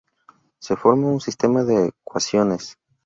Se forma un sistema de ecuaciones.